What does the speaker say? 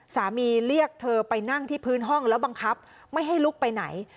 เรียกเธอไปนั่งที่พื้นห้องแล้วบังคับไม่ให้ลุกไปไหน